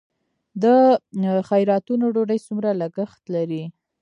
د خیراتونو ډوډۍ څومره لګښت لري؟